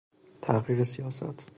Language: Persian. تغییر سیاست